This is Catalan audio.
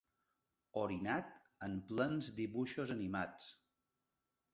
Orinat en plens dibuixos animats.